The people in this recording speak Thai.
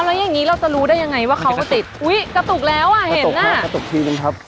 เอาละอย่างนี้เราจะรู้ได้ยังไงว่าเขาติดอุ๊ยกระตุกแล้วเห็นน่ะครับ